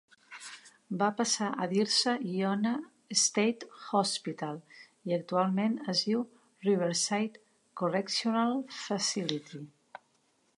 Va passar a dir-se Ionia State Hospital i actualment es diu Riverside Correctional Facility.